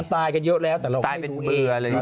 ตายกันเยอะแล้วแต่เราไม่ได้ดูเอง